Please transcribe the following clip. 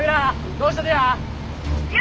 どうしたとや！